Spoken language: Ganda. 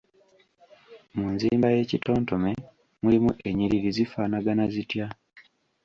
Mu nzimba y’ekitontome mulimu ennyiriri zifaanana zitya?